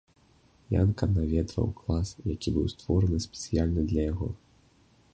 Янка наведваў клас, які быў створаны спецыяльна для яго.